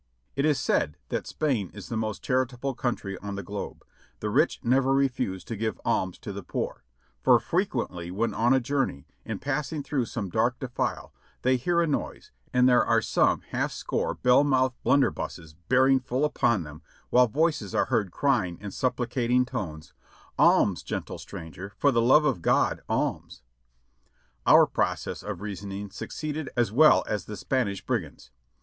It is said that Spain is the most charitable country on the globe; the rich never refuse to give alms to the poor, for frequently when on a journey, in passing through some dark defile, they hear a noise, and there are some half score bell mouth blunder busses bearing full upon them while voices are heard crying in supplicating tones: "Alms, gentle stranger! for the love of God,, alms." Our process of reasoning succeeded as well as the Spanish brigands'.